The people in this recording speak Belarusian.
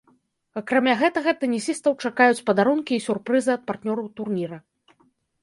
Акрамя гэтага, тэнісістаў чакаюць падарункі і сюрпрызы ад партнёраў турніра.